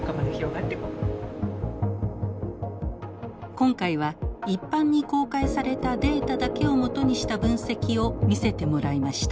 今回は一般に公開されたデータだけを基にした分析を見せてもらいました。